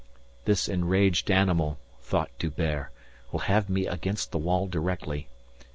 This enraged animal, thought D'Hubert, will have me against the wall directly.